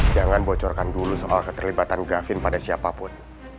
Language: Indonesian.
jangan bocorkan dulu soal keterlibatan gavin pada siapapun